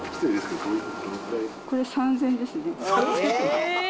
これ、３０００円ですね。